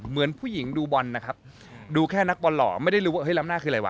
เหมือนผู้หญิงดูบอลนะครับดูแค่นักบอลหล่อไม่ได้รู้ว่าเฮ้ล้ำหน้าคืออะไรวะ